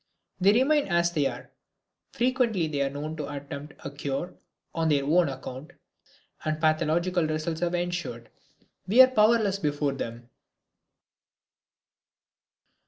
They remain as they are. Frequently they are known to attempt a cure on their own account, and pathological results have ensued. We are powerless before them.